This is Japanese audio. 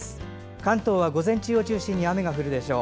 関東は午前中を中心に雨が降るでしょう。